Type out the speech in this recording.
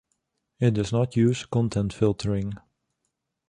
It does not use content filtering.